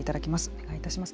お願いいたします。